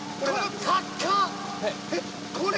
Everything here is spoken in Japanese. これ⁉